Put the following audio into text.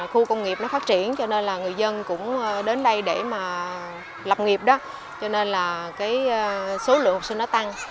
khu công nghiệp nó phát triển cho nên là người dân cũng đến đây để mà lập nghiệp đó cho nên là cái số lượng học sinh nó tăng